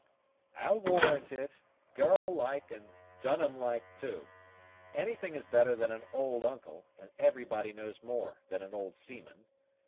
"I'll warrant it girl like, and Dunham like, too. Anything is better than an old uncle, and everybody knows more than an old seaman.